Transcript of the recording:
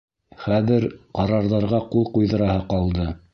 Хәҙер ҡарарҙарға ҡул ҡуйҙыраһы ҡалды!